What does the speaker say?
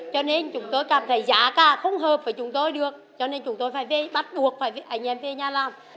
cho nên chúng tôi cảm thấy giá cả không hợp với chúng tôi được cho nên chúng tôi phải về bắt buộc phải anh em về nhà làm